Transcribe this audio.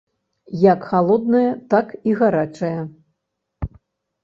Як халодная, так і гарачая.